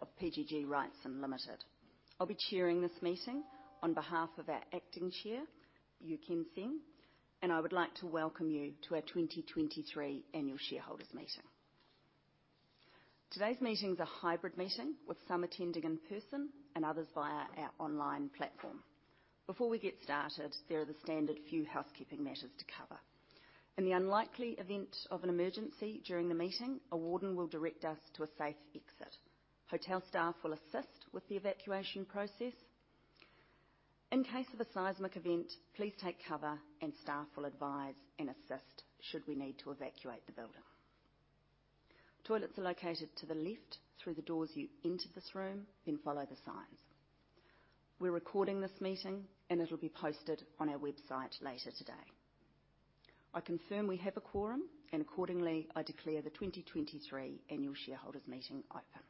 Of PGG Wrightson Limited. I'll be chairing this meeting on behalf of our acting chair, U Kean Seng, and I would like to welcome you to our 2023 Annual Shareholders Meeting. Today's meeting is a hybrid meeting, with some attending in person and others via our online platform. Before we get started, there are the standard few housekeeping matters to cover. In the unlikely event of an emergency during the meeting, a warden will direct us to a safe exit. Hotel staff will assist with the evacuation process. In case of a seismic event, please take cover, and staff will advise and assist should we need to evacuate the building. Toilets are located to the left through the doors you entered this room, then follow the signs. We're recording this meeting, and it'll be posted on our website later today. I confirm we have a quorum, and accordingly, I declare the 2023 Annual Shareholders Meeting open.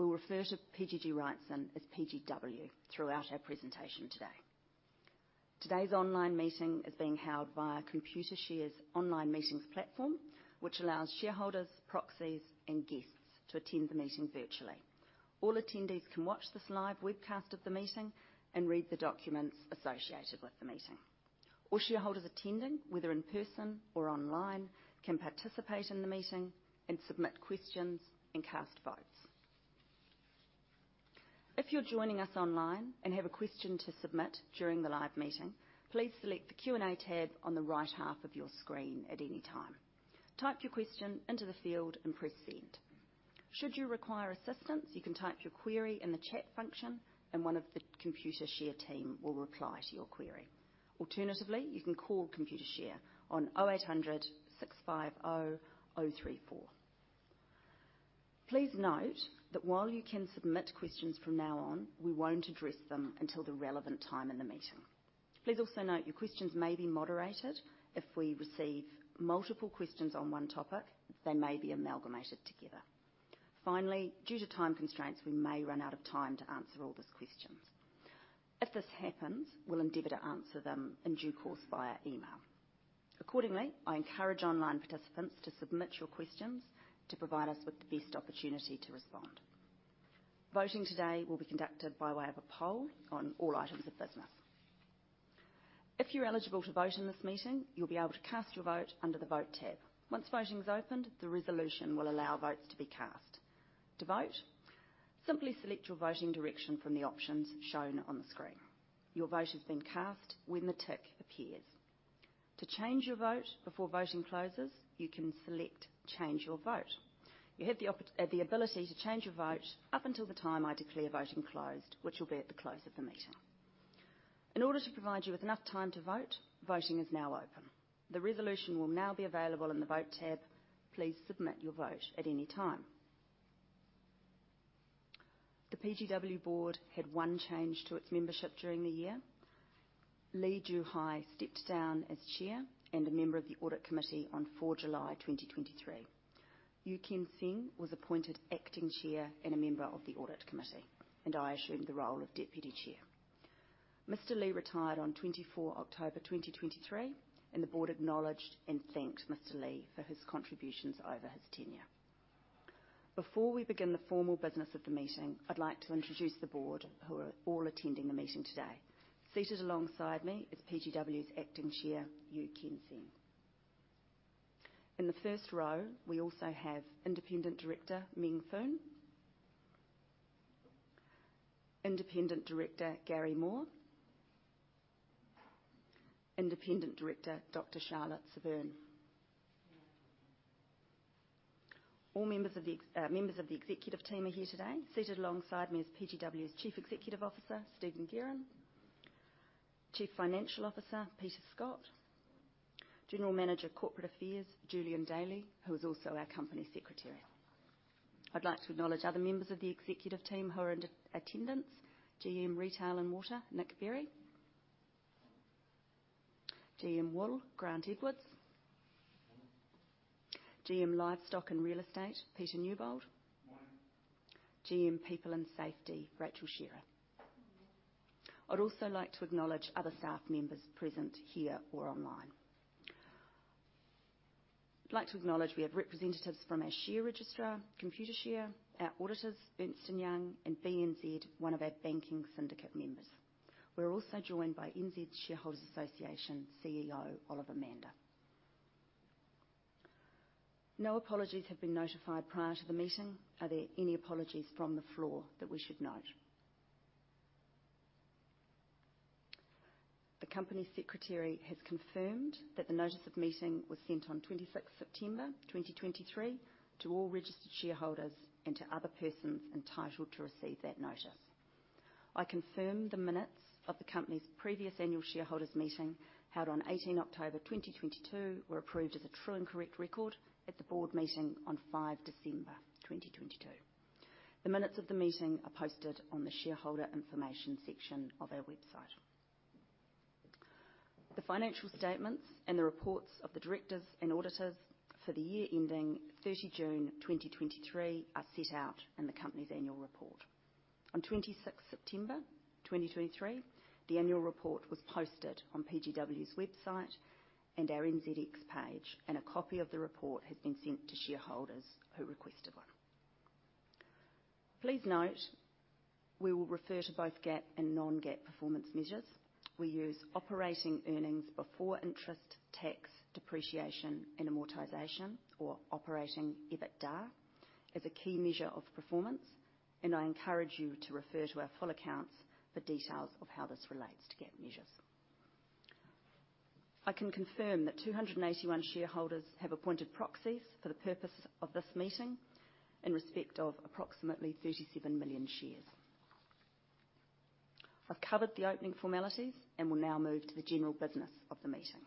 We'll refer to PGG Wrightson as PGW throughout our presentation today. Today's online meeting is being held via Computershare's online meetings platform, which allows shareholders, proxies, and guests to attend the meeting virtually. All attendees can watch this live webcast of the meeting and read the documents associated with the meeting. All shareholders attending, whether in person or online, can participate in the meeting and submit questions and cast votes. If you're joining us online and have a question to submit during the live meeting, please select the Q&A tab on the right half of your screen at any time. Type your question into the field and press Send. Should you require assistance, you can type your query in the chat function, and one of the Computershare team will reply to your query. Alternatively, you can call Computershare on 0800-650-034. Please note that while you can submit questions from now on, we won't address them until the relevant time in the meeting. Please also note your questions may be moderated. If we receive multiple questions on one topic, they may be amalgamated together. Finally, due to time constraints, we may run out of time to answer all these questions. If this happens, we'll endeavor to answer them in due course via email. Accordingly, I encourage online participants to submit your questions to provide us with the best opportunity to respond. Voting today will be conducted by way of a poll on all items of business. If you're eligible to vote in this meeting, you'll be able to cast your vote under the Vote tab. Once voting is opened, the resolution will allow votes to be cast. To vote, simply select your voting direction from the options shown on the screen. Your vote has been cast when the tick appears. To change your vote before voting closes, you can select Change Your Vote. You have the ability to change your vote up until the time I declare voting closed, which will be at the close of the meeting. In order to provide you with enough time to vote, voting is now open. The resolution will now be available in the Vote tab. Please submit your vote at any time. The PGW board had one change to its membership during the year. Lee Joo Hai stepped down as Chair and a member of the Audit Committee on July 4, 2023. U Kean Seng was appointed acting chair and a member of the Audit Committee, and I assumed the role of deputy chair. Mr. Lee retired on 24 October 2023, and the board acknowledged and thanked Mr. Lee for his contributions over his tenure. Before we begin the formal business of the meeting, I'd like to introduce the board, who are all attending the meeting today. Seated alongside me is PGW's Acting Chair, U Kean Seng. In the first row, we also have Independent Director Meng Foon, Independent Director Garry Moore, Independent Director Dr. Charlotte Severne. All members of the executive team are here today. Seated alongside me is PGW's Chief Executive Officer, Stephen Guerin, Chief Financial Officer, Peter Scott, General Manager, Corporate Affairs, Julian Daly, who is also our company secretary. I'd like to acknowledge other members of the executive team who are in attendance. GM, Retail & Water, Nick Berry, GM, Wool, Grant Edwards, GM, Livestock and Real Estate, Peter Newbold- Morning. GM, People and Safety, Rachel Shearer. I'd also like to acknowledge other staff members present here or online. I'd like to acknowledge we have representatives from our share registrar, Computershare, our auditors, Ernst & Young, and BNZ, one of our banking syndicate members. We're also joined by NZ Shareholders Association CEO, Oliver Mander. No apologies have been notified prior to the meeting. Are there any apologies from the floor that we should note? The company secretary has confirmed that the notice of meeting was sent on 26th September 2023, to all registered shareholders and to other persons entitled to receive that notice. I confirm the minutes of the company's previous annual shareholders meeting, held on 18 October 2022, were approved as a true and correct record at the board meeting on 5 December 2022. The minutes of the meeting are posted on the shareholder information section of our website. The financial statements and the reports of the directors and auditors for the year ending 30 June 2023 are set out in the company's annual report. On 26 September 2023, the annual report was posted on PGW's website and our NZX page, and a copy of the report has been sent to shareholders who requested one. Please note, we will refer to both GAAP and non-GAAP performance measures. We use operating earnings before interest, tax, depreciation, and amortization, or operating EBITDA, as a key measure of performance, and I encourage you to refer to our full accounts for details of how this relates to GAAP measures. I can confirm that 281 shareholders have appointed proxies for the purpose of this meeting in respect of approximately 37 million shares. I've covered the opening formalities and will now move to the general business of the meeting.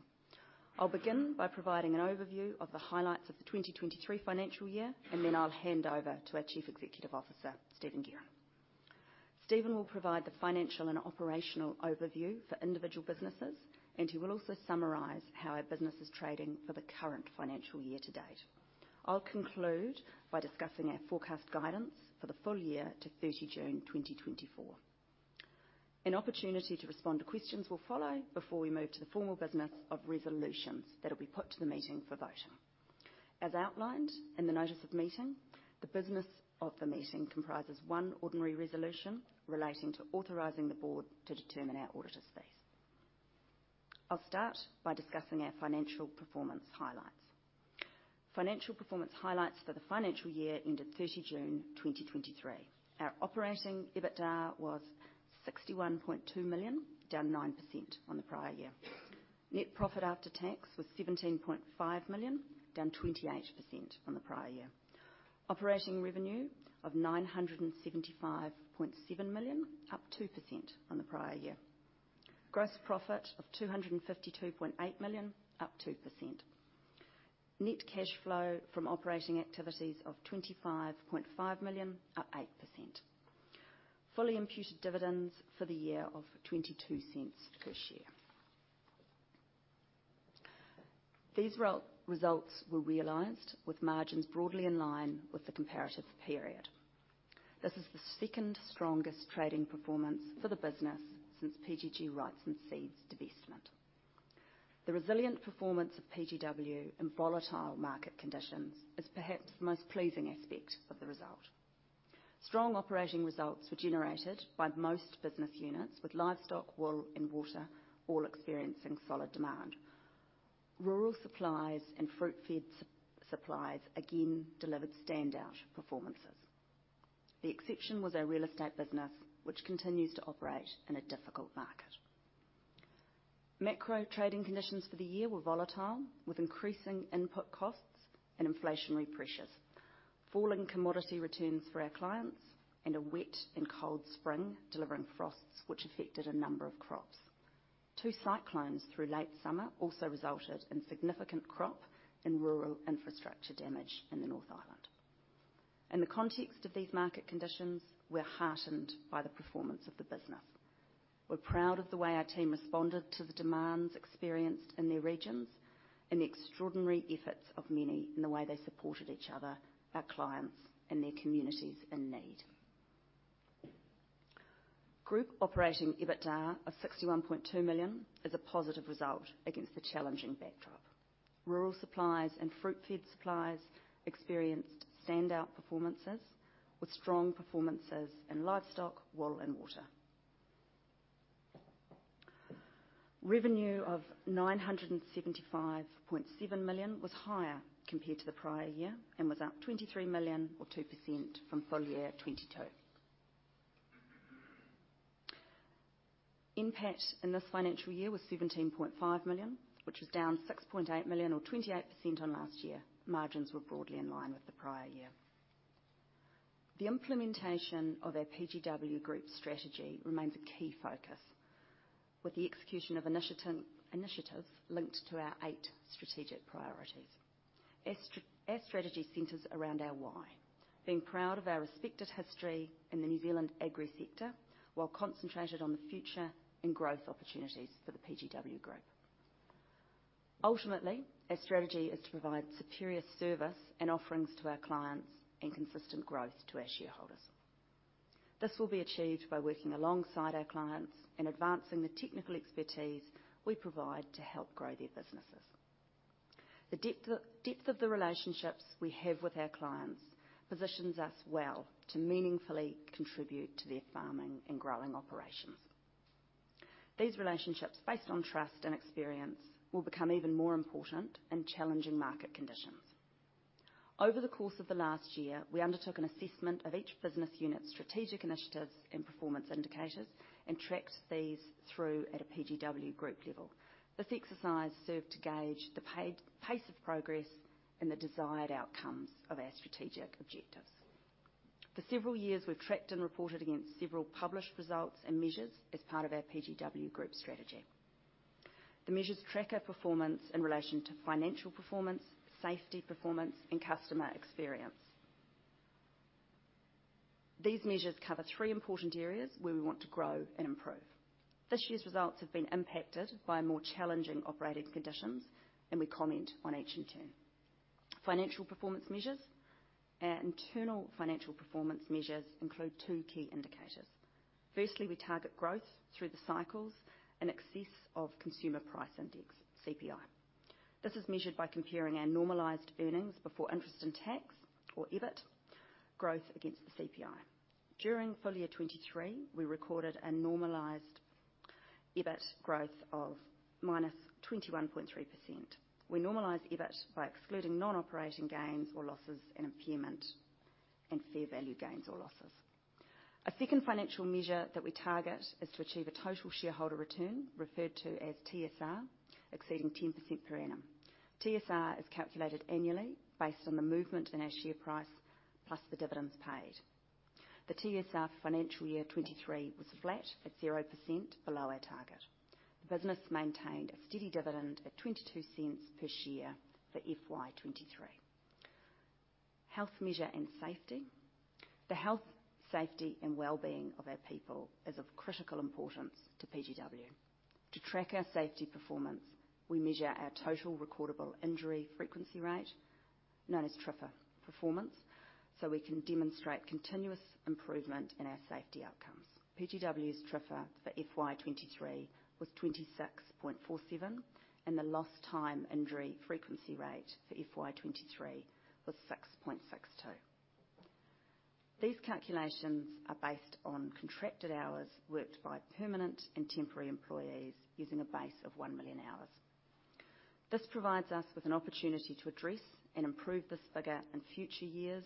I'll begin by providing an overview of the highlights of the 2023 financial year, and then I'll hand over to our Chief Executive Officer, Stephen Guerin. Stephen will provide the financial and operational overview for individual businesses, and he will also summarize how our business is trading for the current financial year to date. I'll conclude by discussing our forecast guidance for the full year to 30 June 2024. An opportunity to respond to questions will follow before we move to the formal business of resolutions that will be put to the meeting for voting. As outlined in the notice of meeting, the business of the meeting comprises one ordinary resolution relating to authorizing the board to determine our auditor's fees. I'll start by discussing our financial performance highlights. Financial performance highlights for the financial year ended 30 June 2023. Our operating EBITDA was 61.2 million, down 9% on the prior year. Net profit after tax was 17.5 million, down 28% on the prior year. Operating revenue of 975.7 million, up 2% on the prior year. Gross profit of 252.8 million, up 2%. Net cash flow from operating activities of 25.5 million, up 8%. Fully imputed dividends for the year of 0.22 per share. These results were realized with margins broadly in line with the comparative period. This is the second strongest trading performance for the business since PGG Wrightson Seeds divestment. The resilient performance of PGW in volatile market conditions is perhaps the most pleasing aspect of the result. Strong operating results were generated by most business units, with livestock, wool, and water all experiencing solid demand. Rural Supplies and Fruitfed Supplies again delivered standout performances. The exception was our real estate business, which continues to operate in a difficult market. Macro trading conditions for the year were volatile, with increasing input costs and inflationary pressures, falling commodity returns for our clients, and a wet and cold spring delivering frosts, which affected a number of crops. Two cyclones through late summer also resulted in significant crop and rural infrastructure damage in the North Island. In the context of these market conditions, we're heartened by the performance of the business. We're proud of the way our team responded to the demands experienced in their regions and the extraordinary efforts of many in the way they supported each other, our clients, and their communities in need. Group operating EBITDA of 61.2 million is a positive result against the challenging backdrop. Rural Supplies and Fruitfed Supplies experienced standout performances, with strong performances in livestock, wool, and water. Revenue of 975.7 million was higher compared to the prior year and was up 23 million or 2% from full year 2022. NPAT in this financial year was 17.5 million, which was down 6.8 million or 28% on last year. Margins were broadly in line with the prior year. The implementation of our PGW group strategy remains a key focus, with the execution of initiatives linked to our eight strategic priorities. Our strategy centers around our why: Being proud of our respected history in the New Zealand agri sector, while concentrated on the future and growth opportunities for the PGW group. Ultimately, our strategy is to provide superior service and offerings to our clients and consistent growth to our shareholders. This will be achieved by working alongside our clients and advancing the technical expertise we provide to help grow their businesses. The depth of the relationships we have with our clients positions us well to meaningfully contribute to their farming and growing operations. These relationships, based on trust and experience, will become even more important in challenging market conditions. Over the course of the last year, we undertook an assessment of each business unit's strategic initiatives and performance indicators, and tracked these through at a PGW group level. This exercise served to gauge the pace of progress and the desired outcomes of our strategic objectives. For several years, we've tracked and reported against several published results and measures as part of our PGW group strategy. The measures track our performance in relation to financial performance, safety performance, and customer experience. These measures cover three important areas where we want to grow and improve. This year's results have been impacted by more challenging operating conditions, and we comment on each in turn. Financial performance measures. Our internal financial performance measures include two key indicators. Firstly, we target growth through the cycles in excess of Consumer Price Index, CPI. This is measured by comparing our normalized earnings before interest and tax, or EBIT, growth against the CPI. During full year 2023, we recorded a normalized EBIT growth of -21.3%. We normalize EBIT by excluding non-operating gains or losses and impairment and fair value gains or losses. A second financial measure that we target is to achieve a total shareholder return, referred to as TSR, exceeding 10% per annum. TSR is calculated annually based on the movement in our share price, plus the dividends paid. The TSR financial year 2023 was flat at 0% below our target. The business maintained a steady dividend at 0.22 per share for FY 2023. Health measure and safety. The health, safety, and well-being of our people is of critical importance to PGW. To track our safety performance, we measure our Total Recordable Injury Frequency Rate, known as TRIFR, performance, so we can demonstrate continuous improvement in our safety outcomes. PGW's TRIFR for FY 2023 was 26.47, and the Lost Time Injury Frequency Rate for FY 2023 was 6.62. These calculations are based on contracted hours worked by permanent and temporary employees, using a base of 1 million hours. This provides us with an opportunity to address and improve this figure in future years,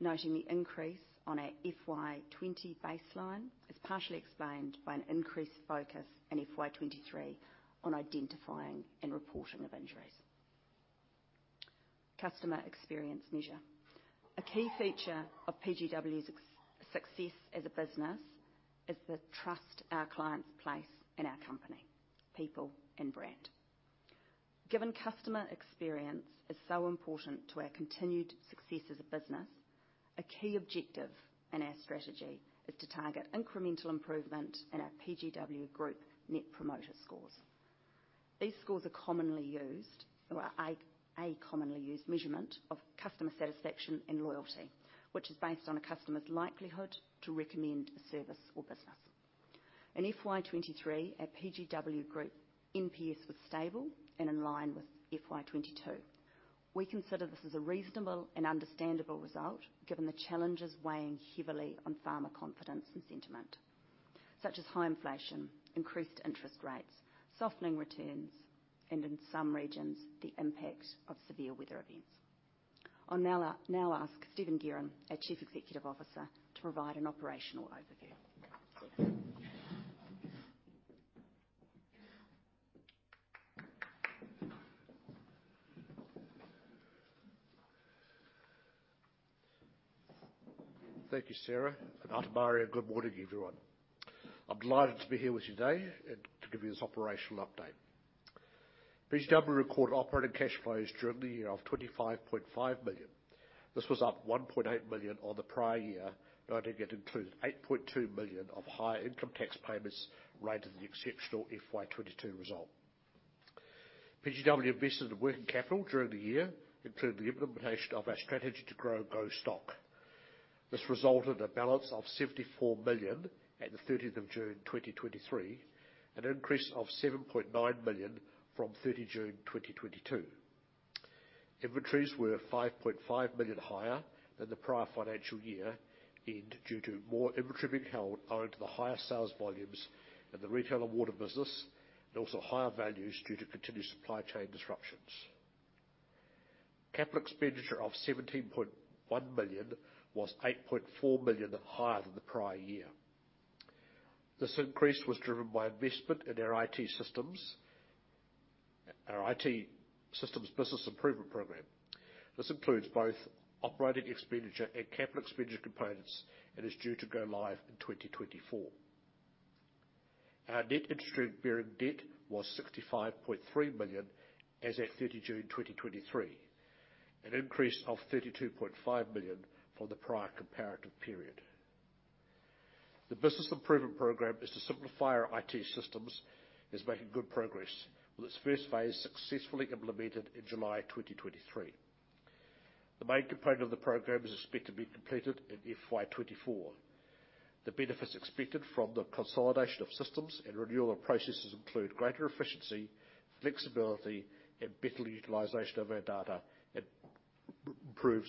noting the increase on our FY 2020 baseline is partially explained by an increased focus in FY 2023 on identifying and reporting of injuries. Customer experience measure. A key feature of PGW's success as a business is the trust our clients place in our company, people, and brand. Given customer experience is so important to our continued success as a business, a key objective in our strategy is to target incremental improvement in our PGW Group Net Promoter Scores. These scores are commonly used, or a commonly used measurement of customer satisfaction and loyalty, which is based on a customer's likelihood to recommend a service or business. In FY 2023, our PGW Group NPS was stable and in line with FY 2022. We consider this as a reasonable and understandable result, given the challenges weighing heavily on farmer confidence and sentiment, such as high inflation, increased interest rates, softening returns, and in some regions, the impact of severe weather events. I'll now ask Stephen Guerin, our Chief Executive Officer, to provide an operational overview. Thank you, Sarah. Good afternoon, and good morning, everyone. I'm delighted to be here with you today and to give you this operational update. PGW recorded operating cash flows during the year of 25.5 million. This was up 1.8 million on the prior year, noting it included 8.2 million of higher income tax payments related to the exceptional FY 2022 result. PGW invested in working capital during the year, including the implementation of our strategy to grow Go-Stock. This resulted in a balance of NZD 74 million at 13 June 2023, an increase of NZD 7.9 million from 30 June 2022. Inventories were NZD 5.5 million higher than the prior financial year end, due to more inventory being held owing to the higher sales volumes in the Retail & Water business, and also higher values due to continued supply chain disruptions. Capital expenditure of 17.1 million was 8.4 million higher than the prior year. This increase was driven by investment in our IT systems, our IT systems business improvement program. This includes both operating expenditure and capital expenditure components, and is due to go live in 2024. Our net interest-bearing debt was NZD 65.3 million as at 30 June 2023, an increase of NZD 32.5 million from the prior comparative period. The business improvement program is to simplify our IT systems, is making good progress, with its first phase successfully implemented in July 2023. The main component of the program is expected to be completed in FY 2024. The benefits expected from the consolidation of systems and renewal of processes include greater efficiency, flexibility, and better utilization of our data, and improved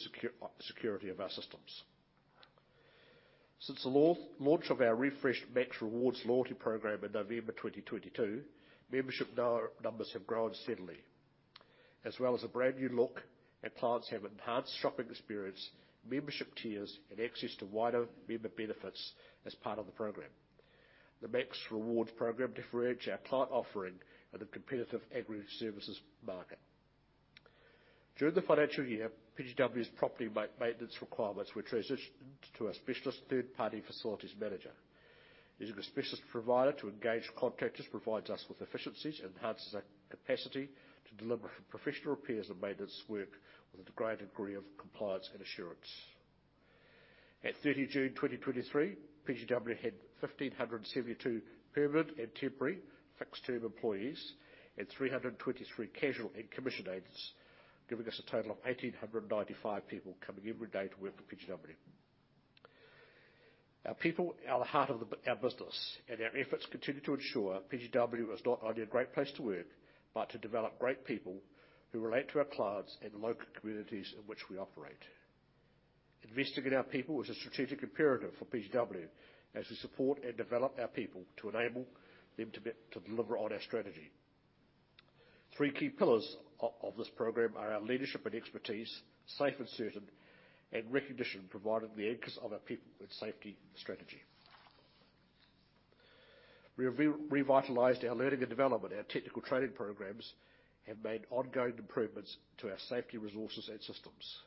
security of our systems. Since the launch of our refreshed Max Rewards loyalty program in November 2022, membership numbers have grown steadily. As well as a brand-new look, our clients have enhanced shopping experience, membership tiers, and access to wider member benefits as part of the program. The Max Rewards program differentiates our client offering in the competitive agri services market. During the financial year, PGW's property maintenance requirements were transitioned to a specialist third-party facilities manager. Using a specialist provider to engage contractors provides us with efficiencies and enhances our capacity to deliver professional repairs and maintenance work with a degree of compliance and assurance. At 30 June 2023, PGW had 1,572 permanent and temporary fixed-term employees and 323 casual and commission agents, giving us a total of 1,895 people coming every day to work for PGW. Our people are the heart of our business, and our efforts continue to ensure PGW is not only a great place to work, but to develop great people who relate to our clients and local communities in which we operate. Investing in our people is a strategic imperative for PGW, as we support and develop our people to enable them to deliver on our strategy. Three key pillars of this program are our Leadership and Expertise, Safe and Certain, and Recognition, providing the anchors of our people and safety strategy. We have revitalized our learning and development, our technical training programs, and made ongoing improvements to our safety resources and systems.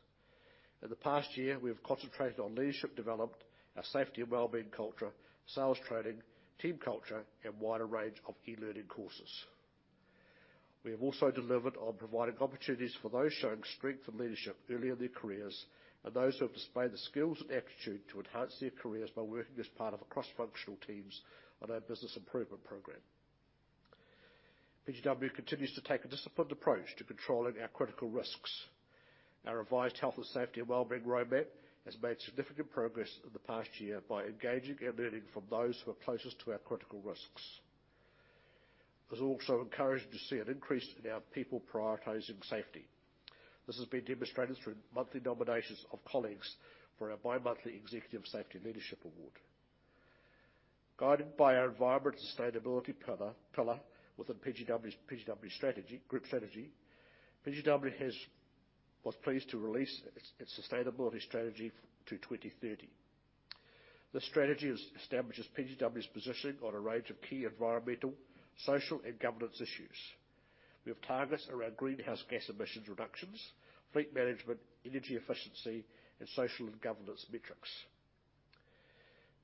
In the past year, we have concentrated on leadership development, our safety and wellbeing culture, sales training, team culture, and wider range of e-learning courses. We have also delivered on providing opportunities for those showing strength and leadership early in their careers, and those who have displayed the skills and aptitude to enhance their careers by working as part of cross-functional teams on our business improvement program. PGW continues to take a disciplined approach to controlling our critical risks. Our revised health and safety and wellbeing roadmap has made significant progress in the past year by engaging and learning from those who are closest to our critical risks. It was also encouraging to see an increase in our people prioritizing safety. This has been demonstrated through monthly nominations of colleagues for our bi-monthly Executive Safety Leadership Award. Guided by our environment and sustainability pillar within PGW strategy, group strategy, PGW was pleased to release its sustainability strategy to 2030. This strategy establishes PGW's positioning on a range of key environmental, social, and governance issues. We have targets around greenhouse gas emissions reductions, fleet management, energy efficiency, and social and governance metrics.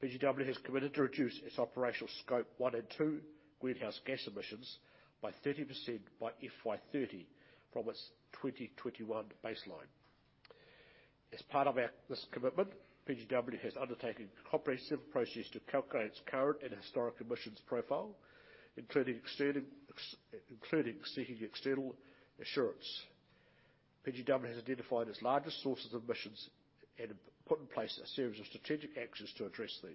PGW has committed to reduce its operational Scope 1 and 2 greenhouse gas emissions by 30% by FY 2030 from its 2021 baseline. As part of this commitment, PGW has undertaken a comprehensive process to calculate its current and historic emissions profile, including seeking external assurance. PGW has identified its largest sources of emissions and put in place a series of strategic actions to address these.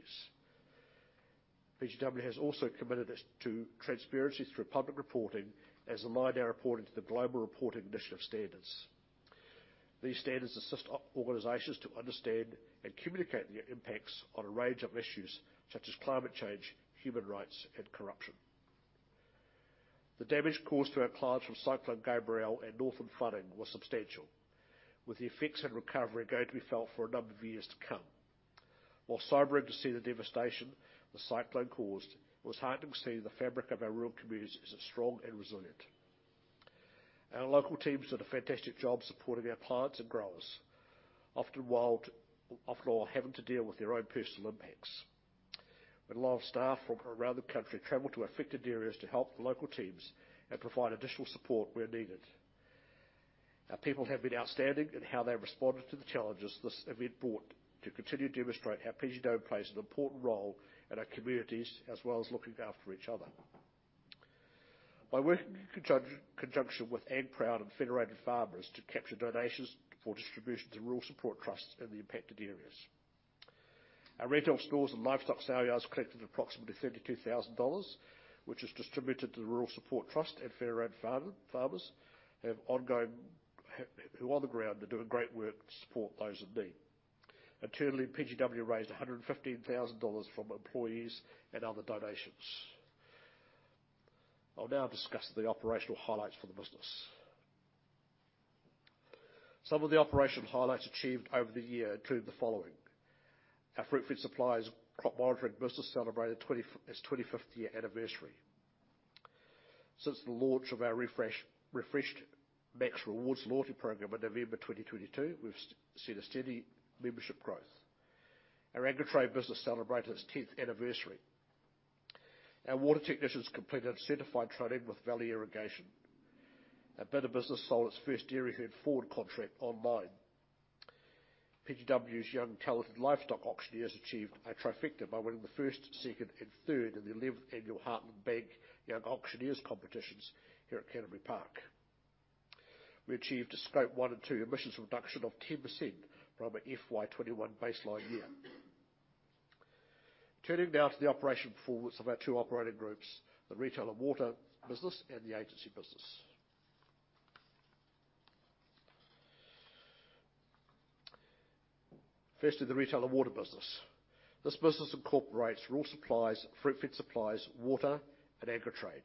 PGW has also committed to transparency through public reporting, as aligned our reporting to the Global Reporting Initiative Standards. These standards assist organizations to understand and communicate their impacts on a range of issues such as climate change, human rights, and corruption. The damage caused to our clients from Cyclone Gabrielle and Northern flooding was substantial, with the effects and recovery going to be felt for a number of years to come. While sobering to see the devastation the cyclone caused, it was heartening to see the fabric of our rural communities is strong and resilient. Our local teams did a fantastic job supporting our clients and growers, often while having to deal with their own personal impacts. A lot of staff from around the country traveled to affected areas to help the local teams and provide additional support where needed. Our people have been outstanding in how they responded to the challenges this event brought to continue to demonstrate how PGW plays an important role in our communities, as well as looking after each other. By working in conjunction with Ag Proud and Federated Farmers to capture donations for distribution to Rural Support Trusts in the impacted areas. Our retail stores and livestock sales collected approximately 32,000 dollars, which was distributed to the Rural Support Trust and Federated Farmers, who on the ground are doing great work to support those in need. Internally, PGW raised 115,000 dollars from employees and other donations. I'll now discuss the operational highlights for the business. Some of the operational highlights achieved over the year include the following: Our Fruitfed Supplies crop monitoring business celebrated its 25th year anniversary. Since the launch of our refreshed Max Rewards loyalty program in November 2022, we've seen a steady membership growth. Our Agritrade business celebrated its 10th anniversary. Our water technicians completed certified training with Valley Irrigation. Our bidr business sold its first dairy herd forward contract online. PGW's young, talented livestock auctioneers achieved a trifecta by winning the first, second, and third in the 11th annual Heartland Bank Young Auctioneers competitions here at Canterbury Park. We achieved a Scope 1 and 2 emissions reduction of 10% from our FY 2021 baseline year. Turning now to the operational performance of our two operating groups, the Retail & Water business and the Agency business. Firstly, the Retail & Water business. This business incorporates Rural Supplies, Fruitfed Supplies, Water, and Agritrade.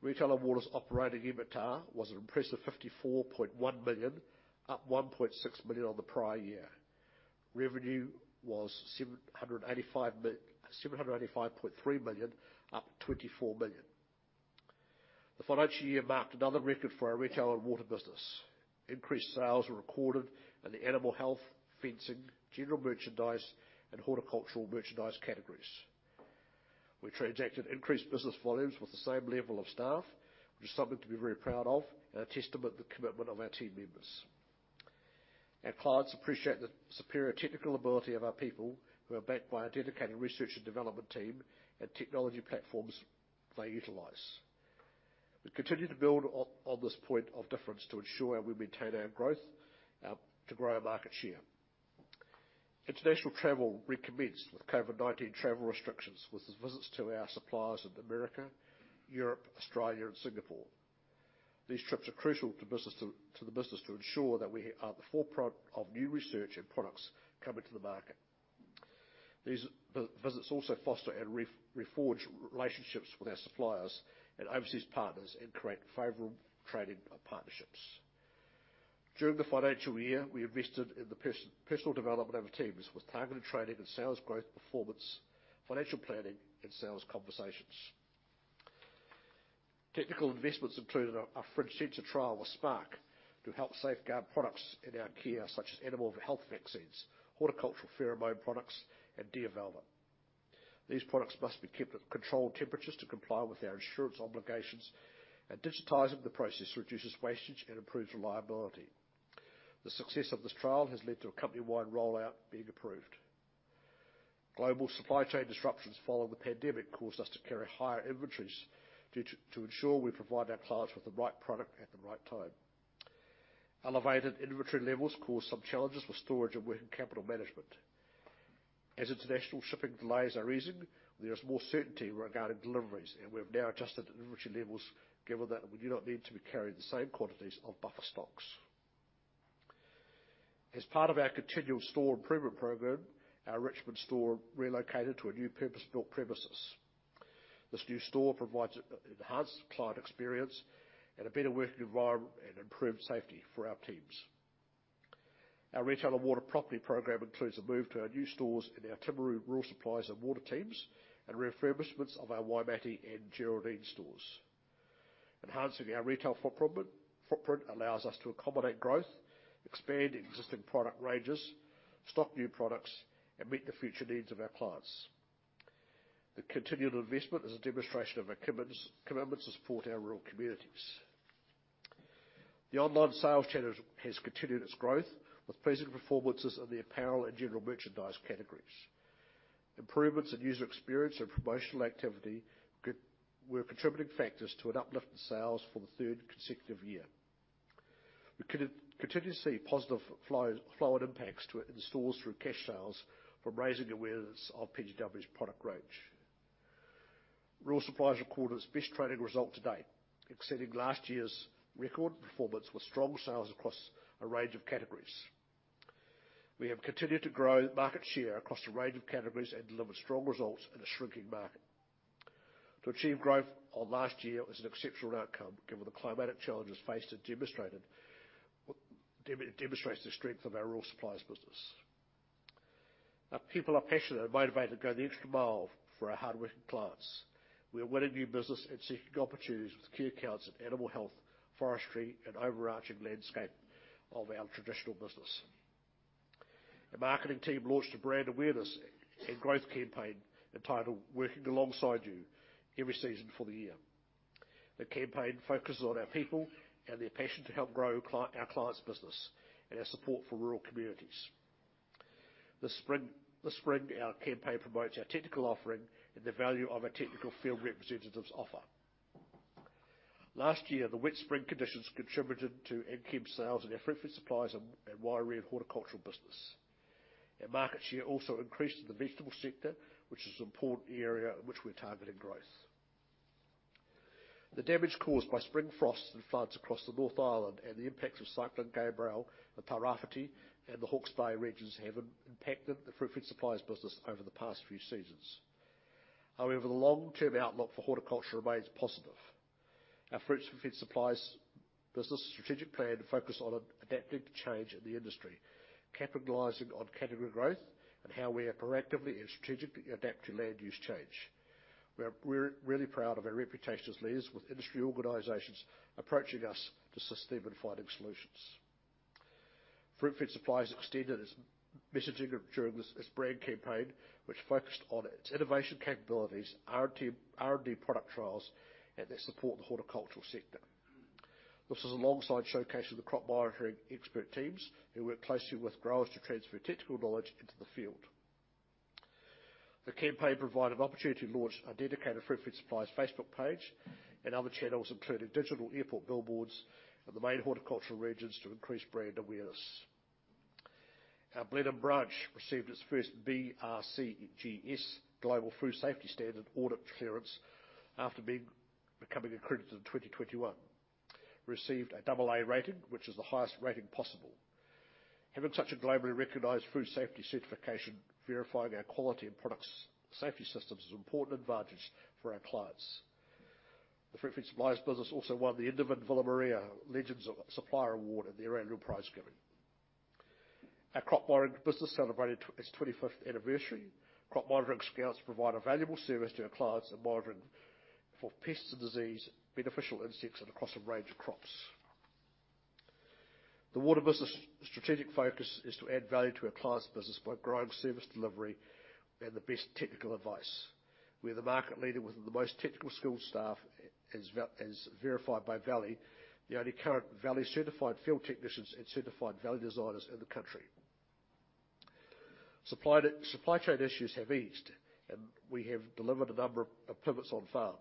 Retail & Water's operating EBITDA was an impressive 54.1 million, up 1.6 million on the prior year. Revenue was 785.3 million, up 24 million. The financial year marked another record for our Retail & Water business. Increased sales were recorded in the animal health, fencing, general merchandise, and horticultural merchandise categories. We transacted increased business volumes with the same level of staff, which is something to be very proud of, and a testament to the commitment of our team members. Our clients appreciate the superior technical ability of our people, who are backed by a dedicated research and development team and technology platforms they utilize. We continue to build on this point of difference to ensure we maintain our growth, to grow our market share. International travel recommenced with COVID-19 travel restrictions, with visits to our suppliers in America, Europe, Australia, and Singapore. These trips are crucial to the business to ensure that we are at the forefront of new research and products coming to the market. These visits also foster and reforge relationships with our suppliers and overseas partners, and create favorable trading partnerships. During the financial year, we invested in the personal development of our teams, with targeted training in sales growth, performance, financial planning, and sales conversations. Technical investments included a fridge sensor trial with Spark to help safeguard products in our care, such as animal health vaccines, horticultural pheromone products, and deer velvet. These products must be kept at controlled temperatures to comply with our insurance obligations, and digitizing the process reduces wastage and improves reliability. The success of this trial has led to a company-wide rollout being approved. Global supply chain disruptions following the pandemic caused us to carry higher inventories due to ensure we provide our clients with the right product at the right time. Elevated inventory levels caused some challenges with storage and working capital management. As international shipping delays are easing, there is more certainty regarding deliveries, and we have now adjusted inventory levels given that we do not need to be carrying the same quantities of buffer stocks. As part of our continual store improvement program, our Richmond store relocated to a new purpose-built premises. This new store provides enhanced client experience and a better working environment, and improved safety for our teams. Our Retail & Water property program includes a move to our new stores and our Timaru Rural Supplies and Water teams, and refurbishments of our Waimate and Geraldine stores. Enhancing our retail footprint allows us to accommodate growth, expand existing product ranges, stock new products, and meet the future needs of our clients. The continued investment is a demonstration of our commitment to support our rural communities. The online sales channel has continued its growth, with pleasing performances in the apparel and general merchandise categories. Improvements in user experience and promotional activity were contributing factors to an uplift in sales for the third consecutive year. We continue to see positive flow-on impacts to it in stores through cash sales, from raising awareness of PGW's product range. Rural Supplies recorded its best trading result to date, exceeding last year's record performance with strong sales across a range of categories. We have continued to grow market share across a range of categories and delivered strong results in a shrinking market. To achieve growth on last year was an exceptional outcome, given the climatic challenges faced and demonstrates the strength of our Rural Supplies business. Our people are passionate and motivated to go the extra mile for our hardworking clients. We are winning new business and seeking opportunities with key accounts in animal health, forestry, and overarching landscape of our traditional business. The marketing team launched a brand awareness and growth campaign entitled, "Working Alongside You, Every Season for the Year." The campaign focuses on our people and their passion to help grow our clients' business, and our support for rural communities. This spring, this spring, our campaign promotes our technical offering and the value of our technical field representative's offer. Last year, the wet spring conditions contributed to Agchem sales in our Fruitfed Supplies and our horticultural business. Our market share also increased in the vegetable sector, which is an important area in which we're targeting growth. The damage caused by spring frosts and floods across the North Island, and the impacts of Cyclone Gabrielle, the Tairāwhiti, and the Hawke's Bay regions, have impacted the Fruitfed Supplies business over the past few seasons. However, the long-term outlook for horticulture remains positive. Our Fruitfed Supplies business strategic plan focus on adapting to change in the industry, capitalizing on category growth, and how we are proactively and strategically adapt to land use change. We are really proud of our reputation as leaders, with industry organizations approaching us to assist them in finding solutions. Fruitfed Supplies extended its messaging during this brand campaign, which focused on its innovation capabilities, R&D product trials, and that support the horticultural sector. This is alongside showcase of the crop monitoring expert teams, who work closely with growers to transfer technical knowledge into the field. The campaign provided an opportunity to launch a dedicated Fruitfed Supplies Facebook page, and other channels, including digital airport billboards in the main horticultural regions to increase brand awareness. Our Blenheim branch received its first BRCGS global food safety standard audit clearance, after becoming accredited in 2021. Received a double A rating, which is the highest rating possible. Having such a globally recognized food safety certification, verifying our quality and products' safety systems, is an important advantage for our clients. The Fruitfed Supplies business also won the Indevin Villa Maria Legends Supplier Award at their annual prize giving. Our crop monitoring business celebrated its 25th anniversary. Crop monitoring scouts provide a valuable service to our clients in monitoring for pests and disease, beneficial insects, and across a range of crops. The water business strategic focus is to add value to our clients' business by growing service delivery and the best technical advice. We're the market leader with the most technical skilled staff, as verified by Valley, the only current Valley-certified field technicians and certified Valley designers in the country. Supply chain issues have eased, and we have delivered a number of pivots on farm.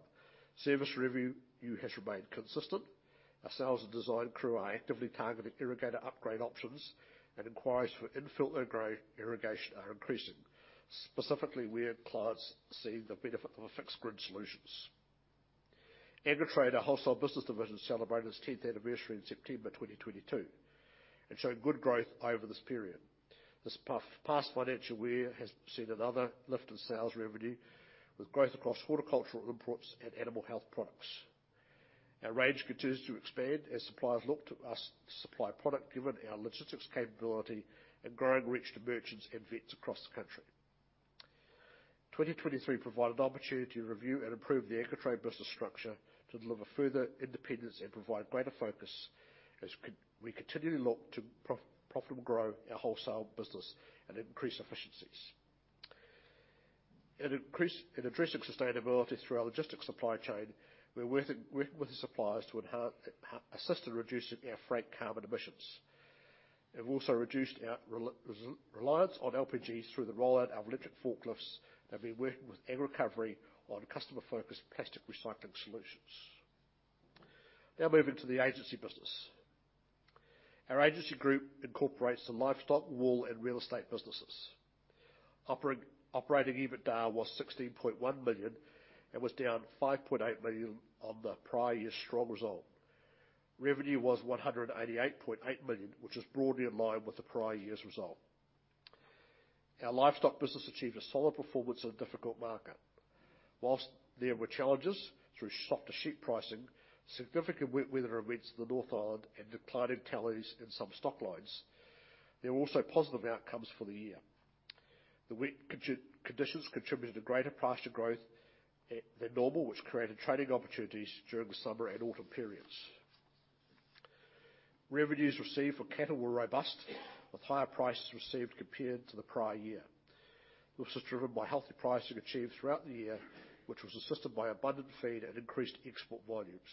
Service review has remained consistent. Our sales and design crew are actively targeting irrigator upgrade options, and inquiries for in-field irrigation are increasing, specifically where clients see the benefit of a fixed grid solutions. Agritrade, our wholesale business division, celebrated its tenth anniversary in September 2022, and showed good growth over this period. This past financial year has seen another lift in sales revenue, with growth across horticultural imports and animal health products. Our range continues to expand as suppliers look to us to supply product, given our logistics capability and growing reach to merchants and vets across the country. 2023 provided an opportunity to review and improve the Agritrade business structure to deliver further independence and provide greater focus, as we continually look to profitably grow our wholesale business and increase efficiencies. In addressing sustainability through our logistics supply chain, we're working with the suppliers to assist in reducing our freight carbon emissions. We've also reduced our reliance on LPG through the rollout of electric forklifts, and we're working with Agrecovery on customer-focused plastic recycling solutions. Now moving to the Agency business. Our agency group incorporates the livestock, wool, and real estate businesses. Operating EBITDA was 16.1 million and was down 5.8 million on the prior year's strong result. Revenue was 188.8 million, which is broadly in line with the prior year's result. Our livestock business achieved a solid performance in a difficult market. Whilst there were challenges through softer sheep pricing, significant wet weather events in the North Island, and declined tallies in some stock lines, there were also positive outcomes for the year. The wet conditions contributed to greater pasture growth than normal, which created trading opportunities during the summer and autumn periods. Revenues received for cattle were robust, with higher prices received compared to the prior year. This was driven by healthy pricing achieved throughout the year, which was assisted by abundant feed and increased export volumes.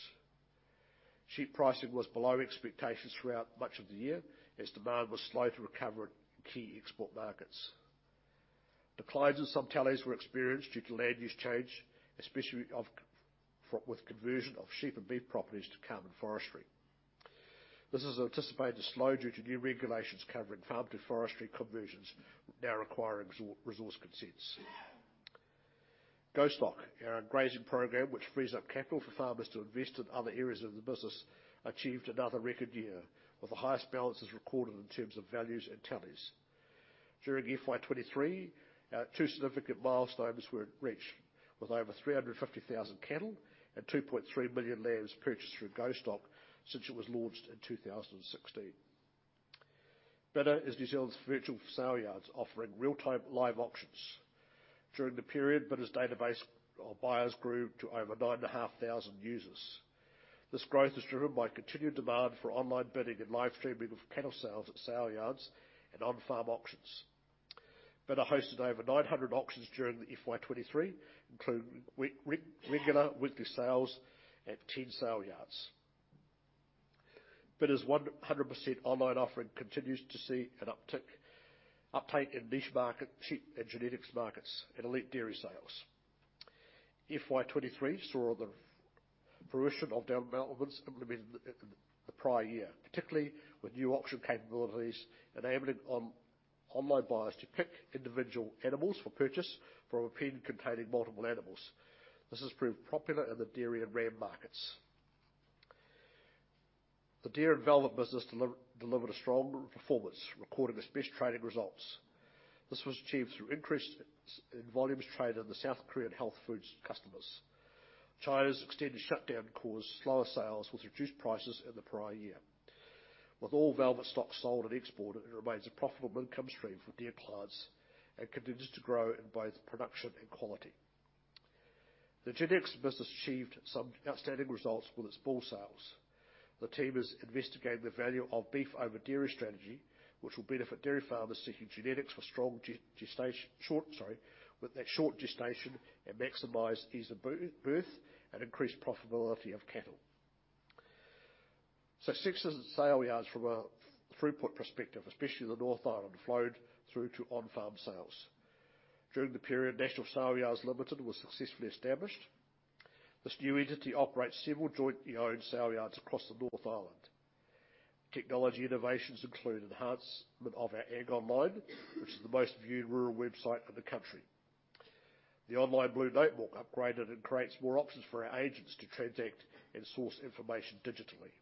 Cheap pricing was below expectations throughout much of the year, as demand was slow to recover in key export markets. Declines in some tallies were experienced due to land use change, especially for, with conversion of sheep and beef properties to carbon forestry. This is anticipated to slow due to new regulations covering farm to forestry conversions, now requiring resource consents. Go-Stock, our grazing program, which frees up capital for farmers to invest in other areas of the business, achieved another record year, with the highest balances recorded in terms of values and tallies. During FY 2023, our two significant milestones were reached, with over 350,000 cattle and 2.3 million lambs purchased through Go-Stock since it was launched in 2016. bidr is New Zealand's virtual sale yards, offering real-time live auctions. During the period, bidr's database of buyers grew to over 9,500 users. This growth is driven by continued demand for online bidding and live streaming of cattle sales at sale yards and on-farm auctions. bidr hosted over 900 auctions during FY 2023, including regular weekly sales at 10 sale yards. Bidr's 100% online offering continues to see an uptick, uptake in niche market, sheep and genetics markets, and elite dairy sales. FY 2023 saw the fruition of developments implemented the prior year, particularly with new auction capabilities, enabling online buyers to pick individual animals for purchase from a pen containing multiple animals. This has proved popular in the dairy and ram markets. The deer and velvet business delivered a strong performance, recording its best trading results. This was achieved through increased in volumes traded in the South Korean health foods customers. China's extended shutdown caused slower sales, with reduced prices in the prior year. With all velvet stock sold and exported, it remains a profitable income stream for deer clients and continues to grow in both production and quality. The genetics business achieved some outstanding results with its bull sales. The team is investigating the value of beef over dairy strategy, which will benefit dairy farmers seeking genetics for short gestation and maximize ease of birth and increase profitability of cattle. Success in sale yards from a throughput perspective, especially in the North Island, flowed through to on-farm sales. During the period, National Saleyards Limited was successfully established. This new entity operates several jointly owned sale yards across the North Island. Technology innovations include enhancement of our AgOnline, which is the most viewed rural website in the country. The online Blue Dot book upgraded and creates more options for our agents to transact and source information digitally.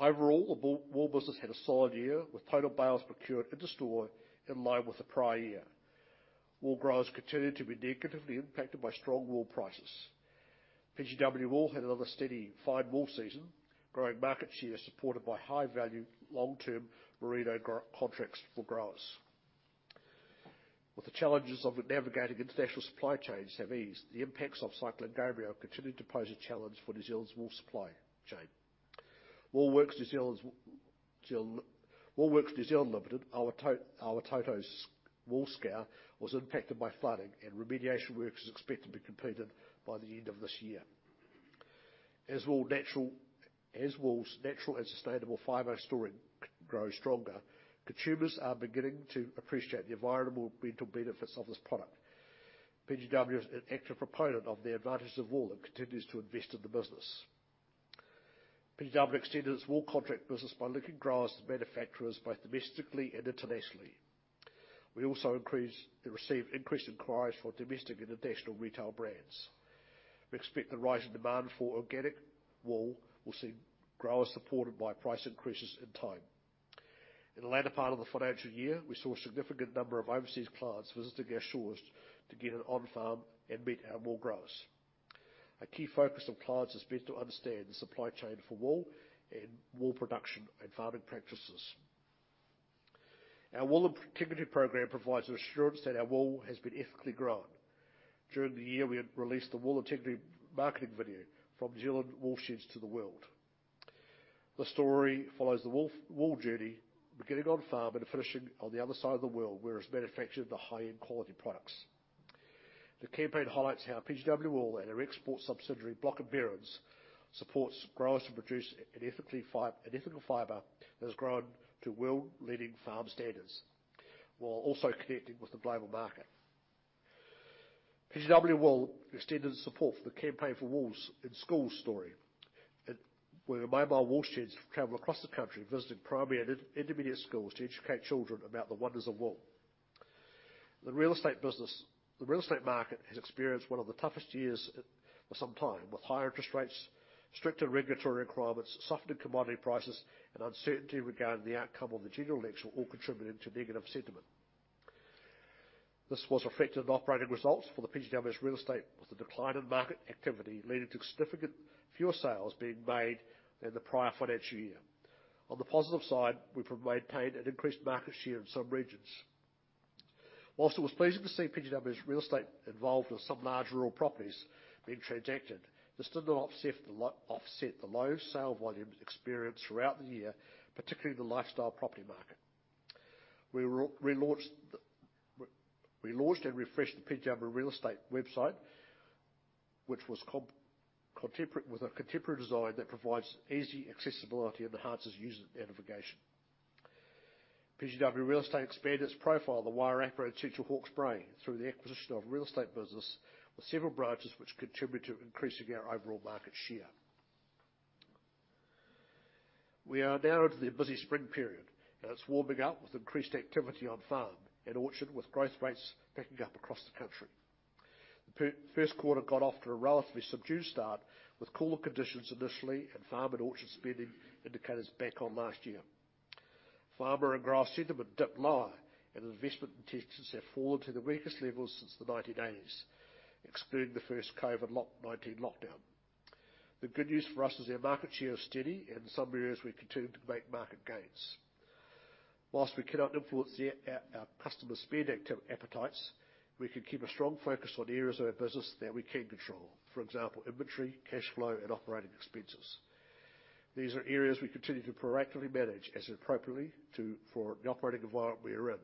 Overall, the wool business had a solid year, with total bales procured into store in line with the prior year. Wool growers continued to be negatively impacted by strong wool prices. PGW Wool had another steady, fine wool season, growing market share supported by high-value, long-term Merino grower contracts for growers. The challenges of navigating international supply chains have eased, the impacts of Cyclone Gabrielle continue to pose a challenge for New Zealand's wool supply chain. Woolworks New Zealand Limited, our Awatoto's wool scour, was impacted by flooding, and remediation work is expected to be completed by the end of this year. As wool's natural and sustainable fiber story grows stronger, consumers are beginning to appreciate the environmental benefits of this product. PGW is an active proponent of the advantages of wool and continues to invest in the business. PGW extended its wool contract business by linking growers to manufacturers, both domestically and internationally. We also received increased inquiries for domestic and international retail brands. We expect the rise in demand for organic wool will see growers supported by price increases in time. In the latter part of the financial year, we saw a significant number of overseas clients visiting our shores to get an on-farm and meet our wool growers. A key focus of clients has been to understand the supply chain for wool and wool production and farming practices. Our Wool Integrity Program provides an assurance that our wool has been ethically grown. During the year, we had released the Wool Integrity marketing video: From New Zealand Wool Sheds to the World. The story follows the wool, wool journey, beginning on-farm and finishing on the other side of the world, where it's manufactured into high-end quality products. The campaign highlights how PGW Wool and our export subsidiary, Bloch & Behrens, supports growers to produce an ethical fiber that has grown to world-leading farm standards, while also connecting with the global market. PGW Wool extended support for the Campaign for Wool in Schools story where the mobile wool sheds travel across the country, visiting primary and intermediate schools to educate children about the wonders of wool. The real estate business. The real estate market has experienced one of the toughest years in some time, with higher interest rates, stricter regulatory requirements, softened commodity prices, and uncertainty regarding the outcome of the general election, all contributing to negative sentiment. This was reflected in operating results for the PGW's Real Estate, with a decline in market activity leading to significant fewer sales being made than the prior financial year. On the positive side, we've maintained an increased market share in some regions. While it was pleasing to see PGW Real Estate involved with some large rural properties being transacted, this did not offset the low sale volumes experienced throughout the year, particularly in the lifestyle property market. We launched and refreshed the PGW Real Estate website, which was contemporary with a contemporary design that provides easy accessibility and enhances user navigation. PGW Real Estate expanded its profile in the Wairarapa and Central Hawke's Bay through the acquisition of real estate business with several branches which contribute to increasing our overall market share. We are now into the busy spring period, and it's warming up with increased activity on farm and orchard, with growth rates picking up across the country. The first quarter got off to a relatively subdued start, with cooler conditions initially and farm and orchard spending indicators back on last year. Farmer and grass sentiment dipped lower, and investment intentions have fallen to the weakest levels since the 1980s, excluding the first COVID lockdown. The good news for us is our market share is steady, and in some areas, we continue to make market gains. While we cannot influence the our customers' spending appetites, we can keep a strong focus on areas of our business that we can control. For example, inventory, cash flow, and operating expenses. These are areas we continue to proactively manage as appropriately to, for the operating environment we are in.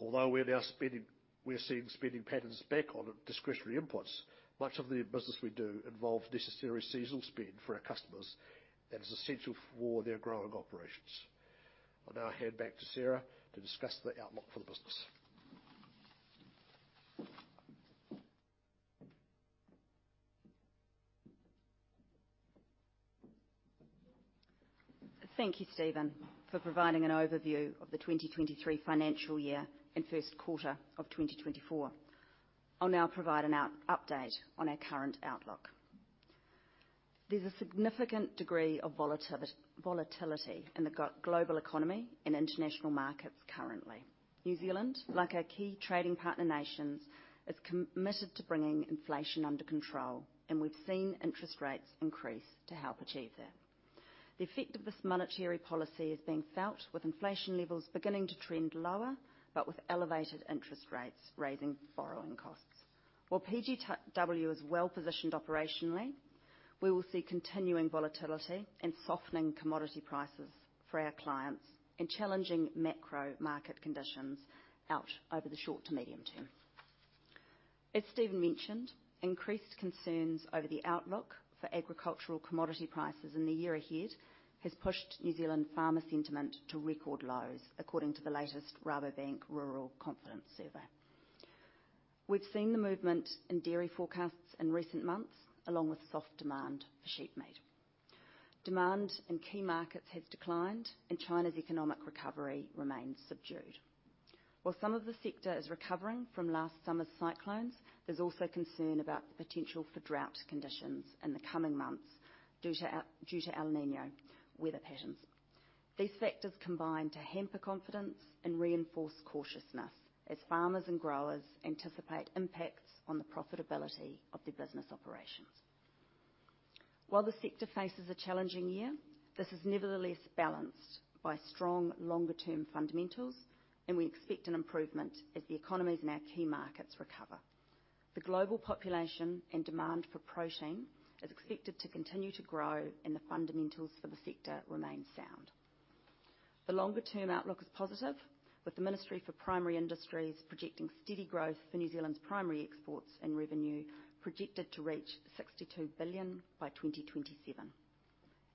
Although we are now spending... We are seeing spending patterns back on discretionary inputs, much of the business we do involve necessary seasonal spend for our customers that is essential for their growing operations. I'll now hand back to Sarah to discuss the outlook for the business. Thank you, Stephen, for providing an overview of the 2023 financial year and first quarter of 2024. I'll now provide an update on our current outlook. There's a significant degree of volatility in the global economy and international markets currently. New Zealand, like our key trading partner nations, is committed to bringing inflation under control, and we've seen interest rates increase to help achieve that. The effect of this monetary policy is being felt with inflation levels beginning to trend lower, but with elevated interest rates, raising borrowing costs. While PGW is well-positioned operationally, we will see continuing volatility and softening commodity prices for our clients and challenging macro market conditions out over the short to medium-term. As Stephen mentioned, increased concerns over the outlook for agricultural commodity prices in the year ahead has pushed New Zealand farmer sentiment to record lows, according to the latest Rabobank Rural Confidence Survey. We've seen the movement in dairy forecasts in recent months, along with soft demand for sheep meat. Demand in key markets has declined, and China's economic recovery remains subdued. While some of the sector is recovering from last summer's cyclones, there's also concern about the potential for drought conditions in the coming months due to El Niño weather patterns. These factors combine to hamper confidence and reinforce cautiousness as farmers and growers anticipate impacts on the profitability of their business operations.... While the sector faces a challenging year, this is nevertheless balanced by strong, longer-term fundamentals, and we expect an improvement as the economies in our key markets recover. The global population and demand for protein is expected to continue to grow, and the fundamentals for the sector remain sound. The longer-term outlook is positive, with the Ministry for Primary Industries projecting steady growth for New Zealand's primary exports, and revenue projected to reach 62 billion by 2027.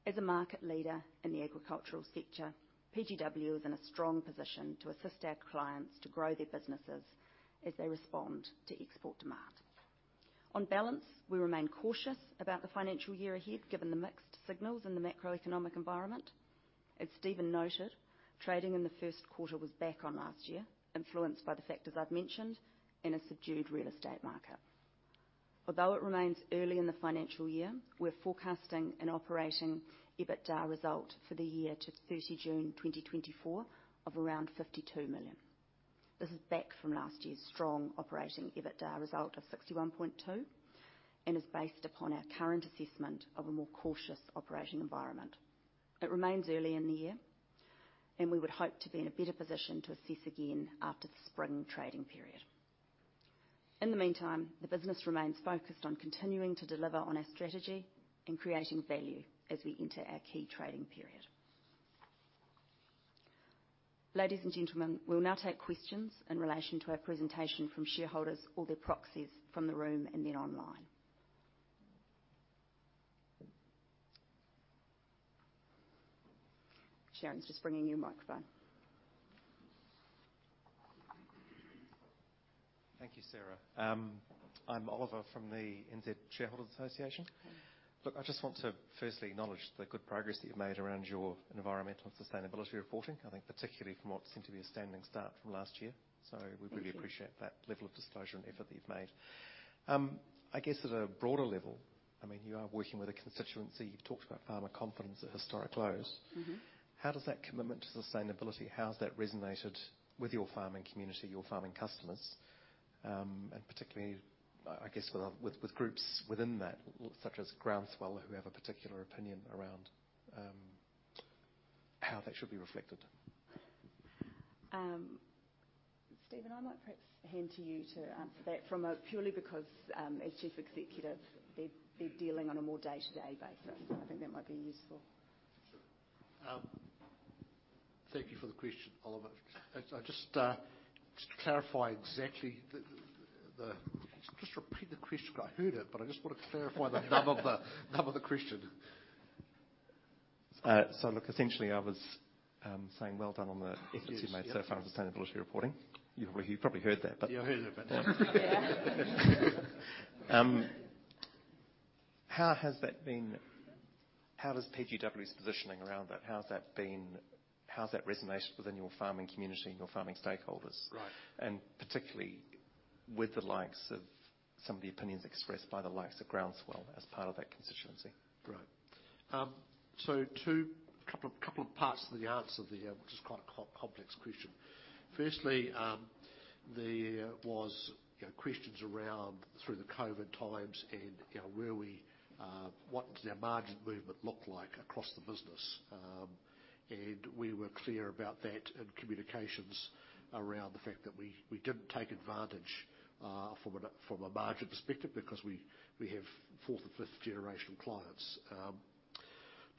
As a market leader in the agricultural sector, PGW is in a strong position to assist our clients to grow their businesses as they respond to export demand. On balance, we remain cautious about the financial year ahead, given the mixed signals in the macroeconomic environment. As Stephen noted, trading in the first quarter was back on last year, influenced by the factors I've mentioned and a subdued real estate market. Although it remains early in the financial year, we're forecasting an operating EBITDA result for the year to 30 June 2024 of around 52 million. This is back from last year's strong operating EBITDA result of 61.2 and is based upon our current assessment of a more cautious operating environment. It remains early in the year, and we would hope to be in a better position to assess again after the spring trading period. In the meantime, the business remains focused on continuing to deliver on our strategy and creating value as we enter our key trading period. Ladies and gentlemen, we'll now take questions in relation to our presentation from shareholders or their proxies from the room and then online. Sharon's just bringing you a microphone. Thank you, Sarah. I'm Oliver from the NZ Shareholders Association. Mm-hmm. Look, I just want to firstly acknowledge the good progress that you've made around your environmental and sustainability reporting. I think particularly from what seemed to be a standing start from last year. Thank you. We really appreciate that level of disclosure and effort that you've made. I guess at a broader level, I mean, you are working with a constituency. You've talked about farmer confidence at historic lows. Mm-hmm. How does that commitment to sustainability, how has that resonated with your farming community, your farming customers, and particularly, I guess with groups within that, such as Groundswell, who have a particular opinion around how that should be reflected? Stephen, I might perhaps hand to you to answer that from a purely because, as Chief Executive, they're dealing on a more day-to-day basis. I think that might be useful. Thank you for the question, Oliver. Just to clarify exactly the... Just repeat the question. I heard it, but I just want to clarify the nub of the question. So look, essentially, I was saying well done on the- Yes, yes. efforts you've made so far in sustainability reporting. You've probably heard that, but- Yeah, I heard it, but... Yeah. How has that been? How does PGW's positioning around that, how has that been? How has that resonated within your farming community and your farming stakeholders? Right. Particularly with the likes of some of the opinions expressed by the likes of Groundswell as part of that constituency. Right. So, a couple of parts to the answer there, which is quite a complex question. Firstly, there was, you know, questions around through the COVID times and, you know, what does our margin movement look like across the business? And we were clear about that in communications around the fact that we, we didn't take advantage from a margin perspective, because we, we have 4th- and 5th-generation clients.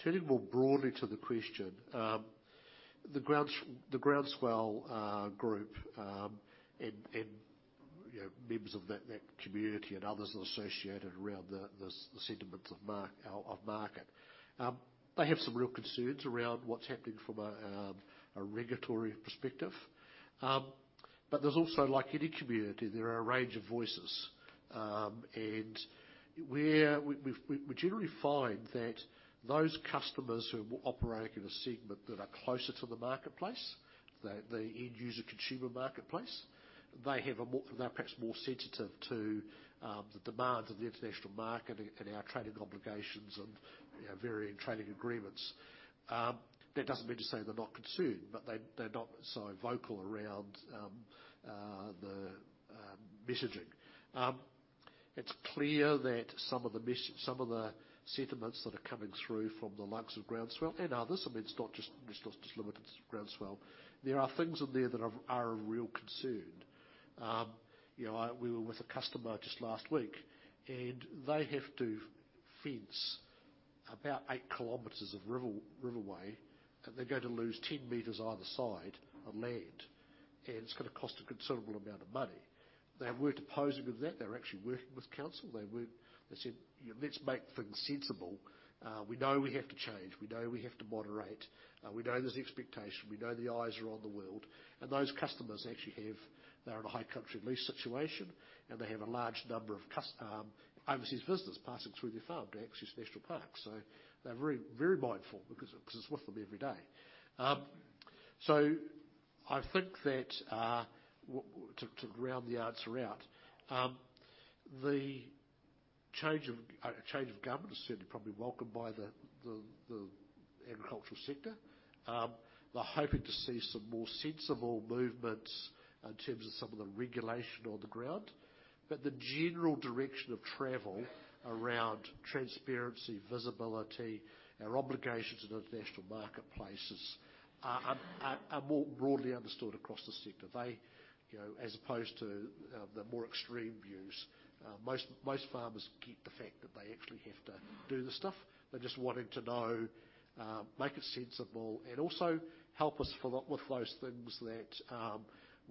Turning more broadly to the question, the Groundswell group, and, you know, members of that community and others associated around the sentiments of market, they have some real concerns around what's happening from a regulatory perspective. But there's also, like any community, there are a range of voices. And where we generally find that those customers who operate in a segment that are closer to the marketplace, the end-user consumer marketplace, they're perhaps more sensitive to the demands of the international market and our trading obligations and, you know, varying trading agreements. That doesn't mean to say they're not concerned, but they're not so vocal around the messaging. It's clear that some of the sentiments that are coming through from the likes of Groundswell and others, I mean, it's not just limited to Groundswell. There are things in there that are of real concern. You know, I... We were with a customer just last week, and they have to fence about 8 km of river, riverway, and they're going to lose 10 m either side of land, and it's going to cost a considerable amount of money. They weren't opposing of that. They were actually working with council. They weren't. They said, "Let's make things sensible. We know we have to change. We know we have to moderate. We know there's expectation. We know the eyes are on the world." And those customers actually have. They're in a high country lease situation, and they have a large number of customers, overseas business passing through their farm to access national parks. So they're very, very mindful because, because it's with them every day. So I think that, to round the answer out, the change of government is certainly probably welcomed by the agricultural sector. They're hoping to see some more sensible movement in terms of some of the regulation on the ground. But the general direction of travel around transparency, visibility, our obligations in international marketplaces are more broadly understood across the sector. They, you know, as opposed to the more extreme views, most farmers get the fact that they actually have to do this stuff. They're just wanting to know, make it sensible and also help us fill up with those things that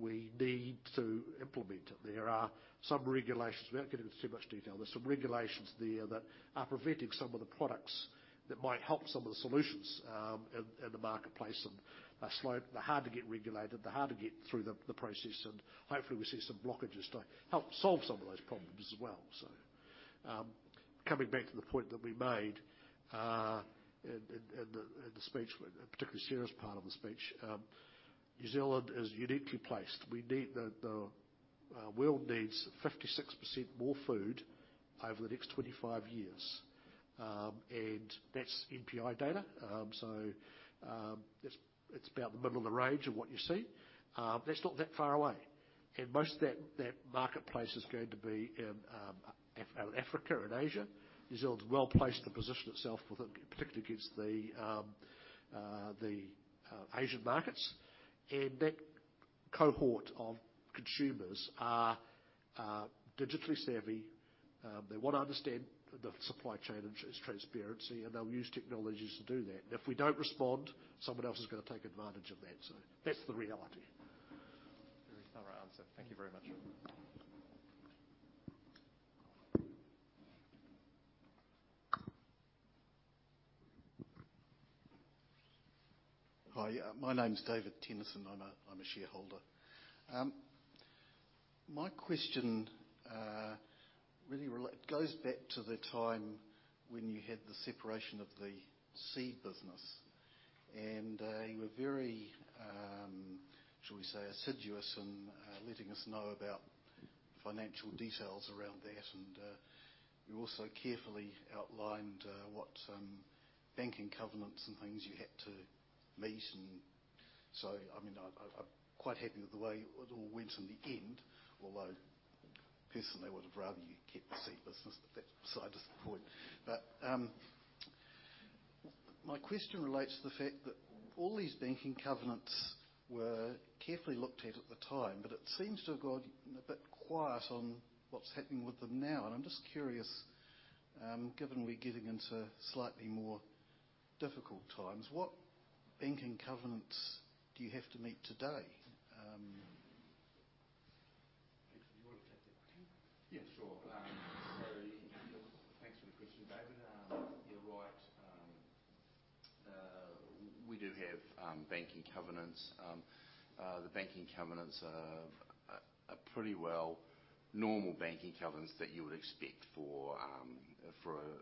we need to implement. There are some regulations, without getting into too much detail, there are some regulations there that are preventing some of the products that might help some of the solutions, in the marketplace, and are slow-- They're hard to get regulated, they're hard to get through the process, and hopefully, we see some blockages to help solve some of those problems as well. So, coming back to the point that we made, in the speech, particularly Sarah's part of the speech, New Zealand is uniquely placed. We need the world needs 56% more food over the next 25 years. And that's MPI data. So, it's about the middle of the range of what you see. That's not that far away, and most of that marketplace is going to be in Africa and Asia. New Zealand's well-placed to position itself with it, particularly against the Asian markets. And that cohort of consumers are digitally savvy. They want to understand the supply chain and its transparency, and they'll use technologies to do that. And if we don't respond, someone else is going to take advantage of that. So that's the reality. Very thorough answer. Thank you very much. Hi, my name is David Tennyson. I'm a shareholder. My question really relates, goes back to the time when you had the separation of the seed business, and you were very, shall we say, assiduous in letting us know about financial details around that, and you also carefully outlined what banking covenants and things you had to meet and... So, I mean, I'm quite happy with the way it all went in the end, although personally, I would have rather you kept the seed business, but that's beside the point. My question relates to the fact that all these banking covenants were carefully looked at at the time, but it seems to have gone a bit quiet on what's happening with them now. I'm just curious, given we're getting into slightly more difficult times, what banking covenants do you have to meet today? Peter, do you want to take that? Yeah, sure. So thanks for the question, David. You're right. We do have banking covenants. The banking covenants are pretty well normal banking covenants that you would expect for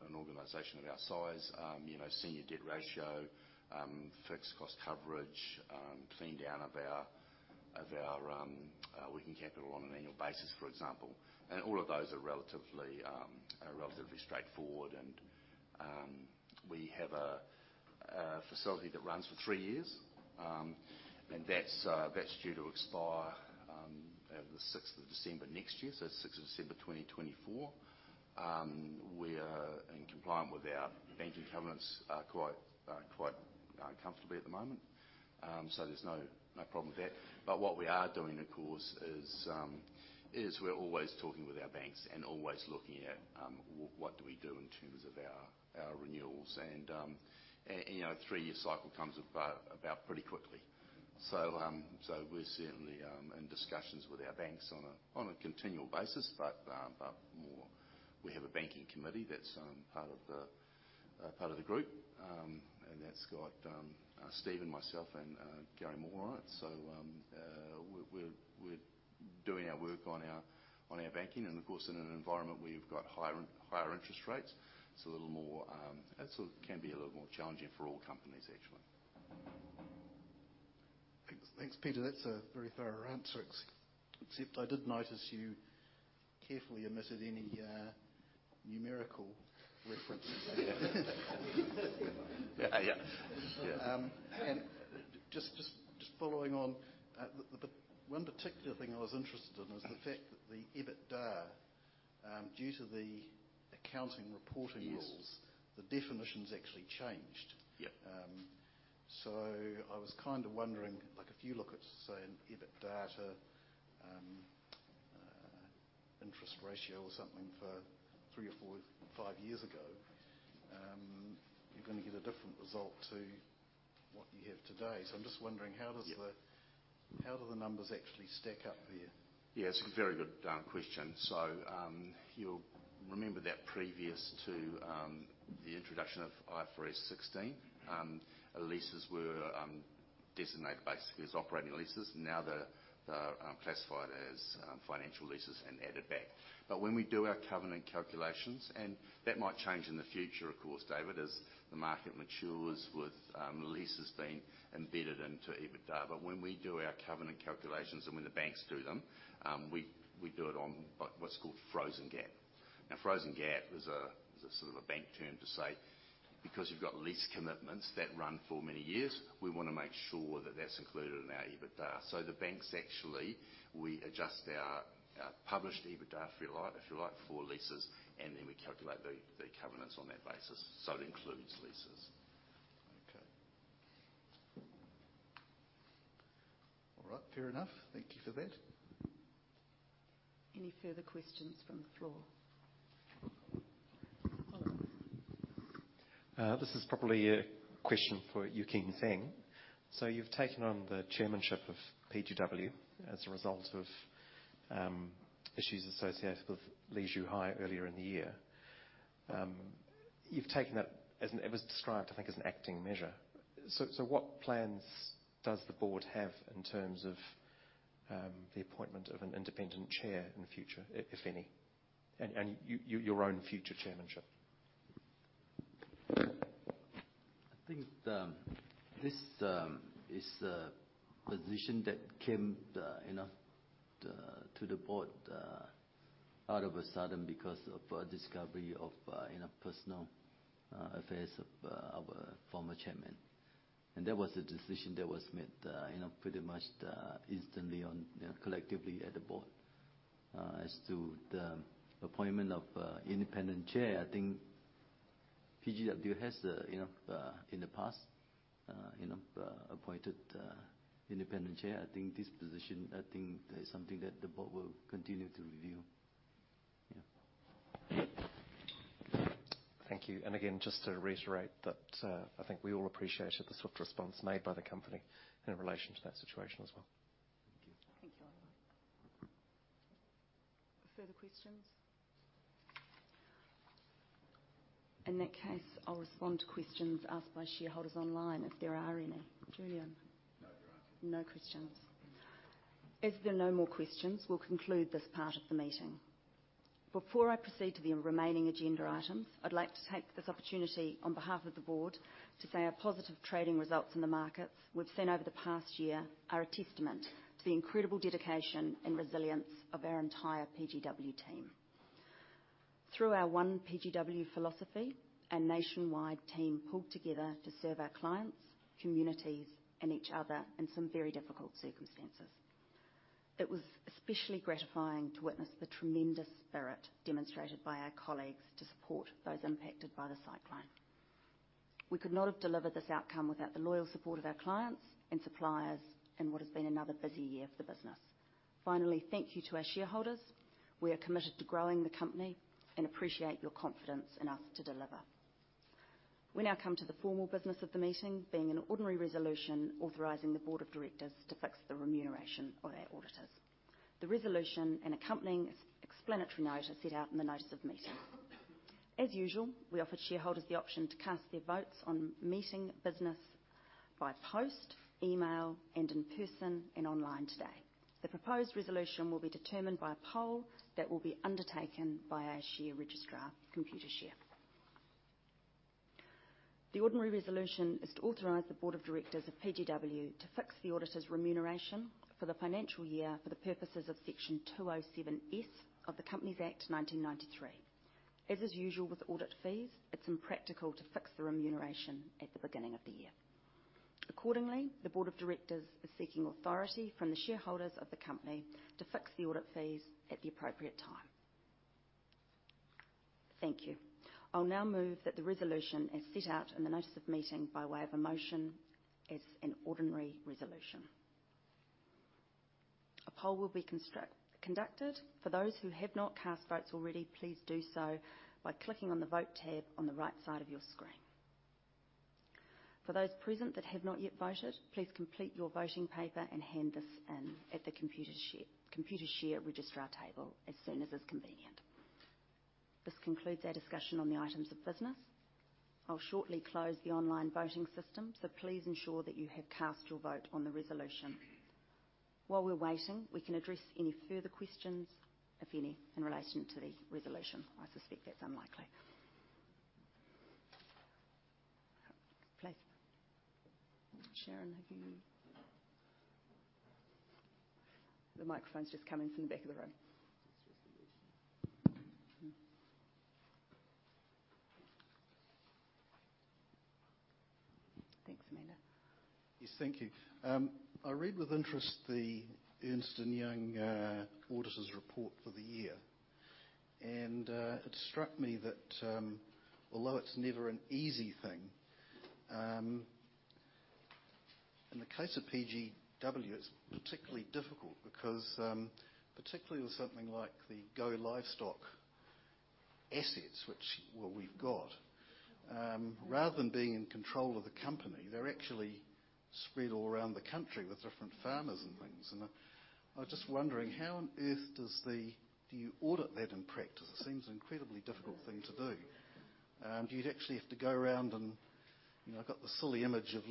an organization of our size. You know, senior debt ratio, fixed cost coverage, clean down of our working capital on an annual basis, for example. And all of those are relatively straightforward, and we have a facility that runs for three years, and that's due to expire the sixth of December next year, so sixth of December 2024. We are in compliant with our banking covenants quite comfortably at the moment. So there's no problem with that. But what we are doing, of course, is we're always talking with our banks and always looking at what do we do in terms of our renewals, and, you know, a three-year cycle comes about pretty quickly. So we're certainly in discussions with our banks on a continual basis, but more... We have a banking committee that's part of the group. And that's got Steve and myself and Garry Moore on it. So we're doing our work on our banking, and of course, in an environment where you've got higher interest rates, it's a little more challenging for all companies actually. Thanks, thanks, Peter. That's a very thorough answer, except I did notice you carefully omitted any, numerical references. Yeah. Yeah. And just following on, the one particular thing I was interested in is the fact that the EBITDA due to the accounting reporting rules- Yes the definitions actually changed. Yeah. So I was kind of wondering, like, if you look at, say, an EBITDA interest ratio or something for three or four, five years ago, you're going to get a different result to what you have today. So I'm just wondering, how does the- Yeah. How do the numbers actually stack up there? Yeah, it's a very good question. So, you'll remember that previous to the introduction of IFRS 16, leases were designated basically as operating leases. Now, they're classified as financial leases and added back. But when we do our covenant calculations, and that might change in the future, of course, David, as the market matures with leases being embedded into EBITDA. But when we do our covenant calculations, and when the banks do them, we do it on what's called frozen GAAP. Now, frozen GAAP is a sort of a bank term to say, because you've got lease commitments that run for many years, we wanna make sure that that's included in our EBITDA. The banks actually, we adjust our published EBITDA, if you like, for leases, and then we calculate the covenants on that basis, so it includes leases. Okay. All right, fair enough. Thank you for that. Any further questions from the floor? This is probably a question for U Kean Seng. So you've taken on the chairmanship of PGW as a result of issues associated with Lee Joo Hai earlier in the year. You've taken it as it was described, I think, as an acting measure. So what plans does the board have in terms of the appointment of an independent chair in the future, if any? And your own future chairmanship? I think this is a position that came to the board all of a sudden because of a discovery of you know personal affairs of our former chairman. And that was a decision that was made you know pretty much instantly on you know collectively at the board. As to the appointment of a independent chair, I think PGW has you know in the past you know appointed a independent chair. I think this position, I think that is something that the board will continue to review. Yeah. Thank you. And again, just to reiterate that, I think we all appreciate the swift response made by the company in relation to that situation as well. Thank you. Thank you. Further questions? In that case, I'll respond to questions asked by shareholders online, if there are any. Julian? No, there are not. No questions. If there are no more questions, we'll conclude this part of the meeting. Before I proceed to the remaining agenda items, I'd like to take this opportunity, on behalf of the board, to say our positive trading results in the markets we've seen over the past year are a testament to the incredible dedication and resilience of our entire PGW team. Through our One PGW philosophy, our nationwide team pulled together to serve our clients, communities, and each other in some very difficult circumstances. It was especially gratifying to witness the tremendous spirit demonstrated by our colleagues to support those impacted by the cyclone. We could not have delivered this outcome without the loyal support of our clients and suppliers in what has been another busy year for the business. Finally, thank you to our shareholders. We are committed to growing the company and appreciate your confidence in us to deliver. We now come to the formal business of the meeting, being an ordinary resolution authorizing the board of directors to fix the remuneration of our auditors. The resolution and accompanying explanatory note are set out in the notice of meeting. As usual, we offer shareholders the option to cast their votes on meeting business by post, email, and in person, and online today. The proposed resolution will be determined by a poll that will be undertaken by our share registrar, Computershare. The ordinary resolution is to authorize the board of directors of PGW to fix the auditors' remuneration for the financial year for the purposes of Section 207S of the Companies Act 1993. As is usual with audit fees, it's impractical to fix the remuneration at the beginning of the year. Accordingly, the board of directors is seeking authority from the shareholders of the company to fix the audit fees at the appropriate time. Thank you. I'll now move that the resolution, as set out in the notice of meeting, by way of a motion, as an ordinary resolution. A poll will be conducted. For those who have not cast votes already, please do so by clicking on the Vote tab on the right side of your screen. For those present that have not yet voted, please complete your voting paper and hand this in at the Computershare, Computershare registrar table as soon as is convenient. This concludes our discussion on the items of business. I'll shortly close the online voting system, so please ensure that you have cast your vote on the resolution. While we're waiting, we can address any further questions, if any, in relation to the resolution. I suspect that's unlikely. Please. Sharon, have you. The microphone's just coming from the back of the room. It's just the question. Hmm. Thanks, Amanda. Yes, thank you. I read with interest the Ernst & Young auditors' report for the year, and it struck me that, although it's never an easy thing, in the case of PGW, it's particularly difficult because, particularly with something like the Go-Stock livestock assets, which, well, we've got, rather than being in control of the company, they're actually spread all around the country with different farmers and things. And I was just wondering, how on earth do you audit that in practice? It seems an incredibly difficult thing to do. Would you actually have to go around and, you know, I've got the silly image of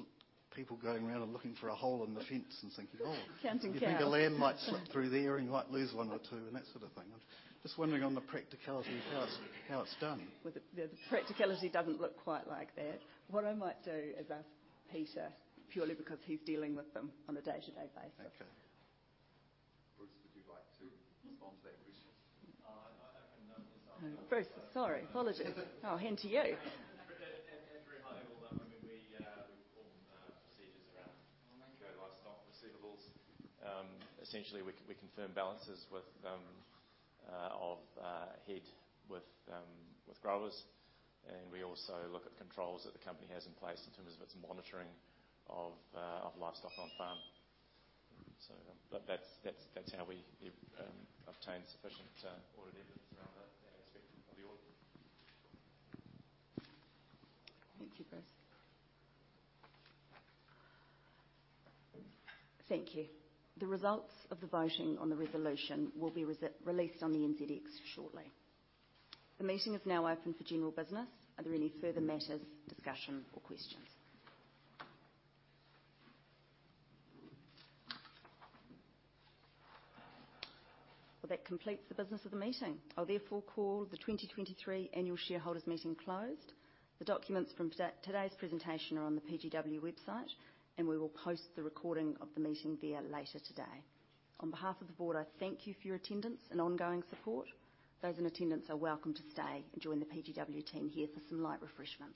people going around and looking for a hole in the fence and thinking, "Oh- Counting cattle- You think the lamb might slip through there, and you might lose one or two," and that sort of thing. I'm just wondering on the practicality of how it's done. Well, the practicality doesn't look quite like that. What I might do is ask Peter, purely because he's dealing with them on a day-to-day basis. Okay. Bruce, would you like to respond to that question? I can only start- Bruce, sorry, apologies. I'll hand to you. At a very high level, I mean, we perform procedures around Go-Stock receivables. Essentially, we confirm balances with growers. And we also look at controls that the company has in place in terms of its monitoring of livestock on farm. But that's how we obtain sufficient audit evidence around that aspect of the audit. Thank you, Bruce. Thank you. The results of the voting on the resolution will be released on the NZX shortly. The meeting is now open for general business. Are there any further matters, discussion, or questions? Well, that completes the business of the meeting. I'll therefore call the 2023 Annual Shareholders Meeting closed. The documents from today's presentation are on the PGW website, and we will post the recording of the meeting there later today. On behalf of the board, I thank you for your attendance and ongoing support. Those in attendance are welcome to stay and join the PGW team here for some light refreshments.